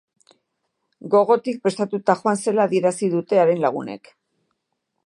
Gogotik prestatuta joan zela adierazi dute haren lagunek.